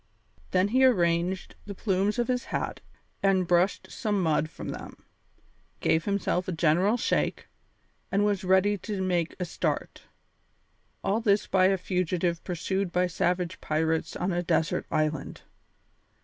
Then he arranged the plumes of his hat and brushed some mud from them, gave himself a general shake, and was ready to make a start. All this by a fugitive pursued by savage pirates on a desert island!